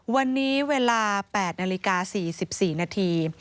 วันนี้เวลา๘นาฬิกา๔๔นาที